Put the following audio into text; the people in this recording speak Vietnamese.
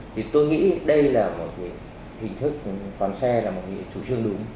tôi nghĩ đây là một hình thức khoán xe là một chủ trương đúng